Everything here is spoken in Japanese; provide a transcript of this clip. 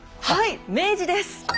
はい明治です。